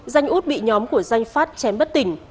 danh út bị nhóm của danh phát chém bất tỉnh